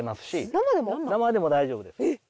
生でも大丈夫です。